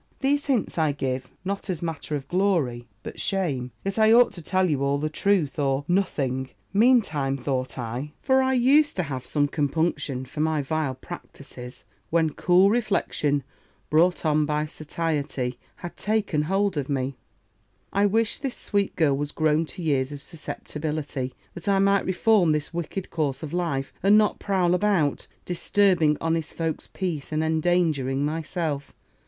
"These hints I give, not as matter of glory, but shame: yet I ought to tell you all the truth, or nothing. 'Meantime,' thought I, (for I used to have some compunction for my vile practices, when cool reflection, brought on by satiety, had taken hold of me) 'I wish this sweet girl was grown to years of susceptibility, that I might reform this wicked course of life, and not prowl about, disturbing honest folks' peace, and endangering myself.'